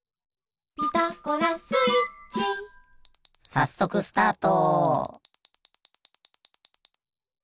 さっそくスタート！